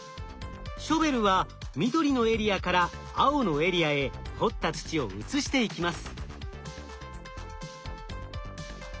ショベルは緑のエリアから青のエリアへ掘った土を移していきます。